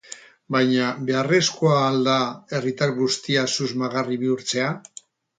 Baina, beharrezkoa al da herritar guztiak susmagarri bihurtzea?